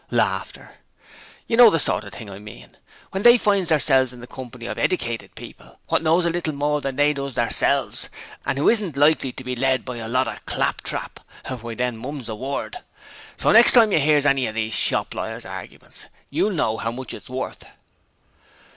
You know the sort of thing I mean. When they finds theirselves in the company of edicated people wot knows a little more than they does theirselves, and who isn't likely to be misled by a lot of claptrap, why then, mum's the word. So next time you hears any of these shop lawyers' arguments, you'll know how much it's worth.'